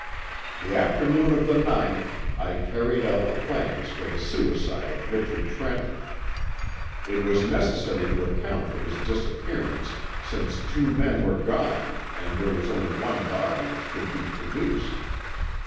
"The afternoon of the ninth I carried out the plans for the suicide of Richard Trenton. It was necessary to account for his disappearance, since two men were gone and there was only one body which could be produced.